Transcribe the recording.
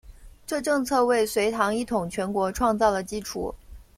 这政策为隋唐一统全国创造了基础。